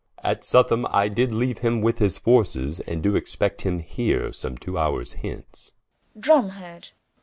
Someru. At Southam I did leaue him with his forces, And doe expect him here some two howres hence War.